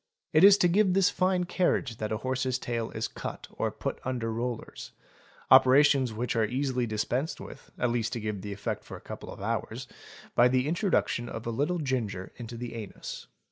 It is to give this fine carriage that. a horse's tail is cut or put under rollers, operations which are easily dispensed with, at'least to give an effect for a couple of hours, by the introduction of a little ginger into the anus.